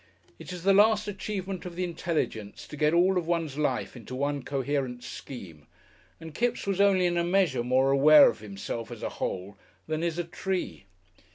It is the last achievement of the intelligence to get all of one's life into one coherent scheme, and Kipps was only in a measure more aware of himself as a whole than is a tree.